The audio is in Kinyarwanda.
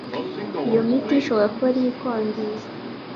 iyo miti ishobora kuba ariyo ikwangiriza.